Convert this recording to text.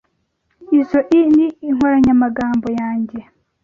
Izoi ni inkoranyamagambo yanjye.